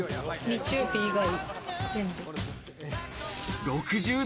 日曜日以外、全部。